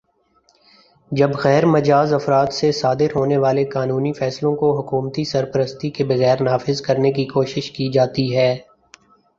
جب غیر مجازافراد سے صادر ہونے والے قانونی فیصلوں کو حکومتی سرپرستی کے بغیر نافذ کرنے کی کوشش کی جاتی ہے